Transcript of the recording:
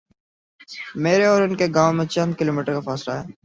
میرے اور ان کے گاؤں میں چند کلو میٹرکا فاصلہ ہے۔